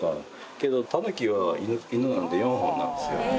けどタヌキはイヌなので４本なんですよ。